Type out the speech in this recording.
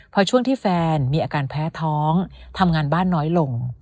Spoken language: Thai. พอช่วงที่แฟนมีอาการแพ้ท้องทำงานบ้านน้อยลง